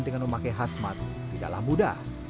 mengendarai hasmat tidaklah mudah